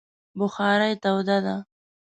بخارۍ توده ده